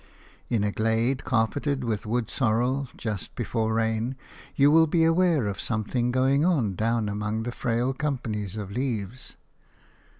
In a glade carpeted with wood sorrel, just before rain, you will be aware of something going on down among the frail companies of leaves.